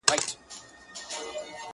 ښه دی چي ته خو ښه يې، گوره زه خو داسي يم~